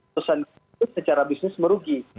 perusahaan itu secara bisnis merugi